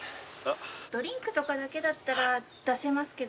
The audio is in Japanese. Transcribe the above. ・ドリンクとかだけだったら出せますけど。